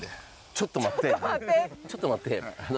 ちょっと待ってや。